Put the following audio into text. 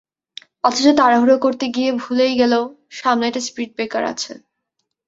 অথচ তাড়াহুড়া করতে গিয়ে ভুলেই গেল সামনে একটা স্পিড ব্রেকার আছে।